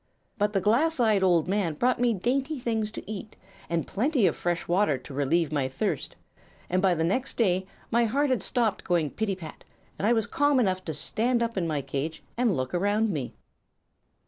But the glass eyed old man brought me dainty things to eat, and plenty of fresh water to relieve my thirst, and by the next day my heart had stopped going pitty pat and I was calm enough to stand up in my cage and look around me.